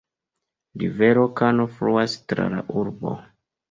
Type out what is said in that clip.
Rivero Kano fluas tra la urbo.